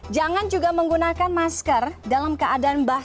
jangan juga menggunakan masker dalam keadaan bahaya